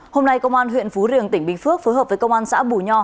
hôm nay công an huyện phú riềng tỉnh bình phước phối hợp với công an xã bù nho